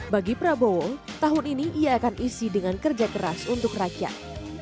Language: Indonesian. bagi prabowo tahun ini ia akan isi dengan kerja keras untuk rakyat